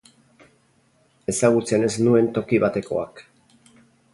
Ezagutzen ez nuen toki batekoak.